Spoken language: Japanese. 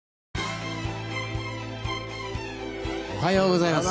おはようございます。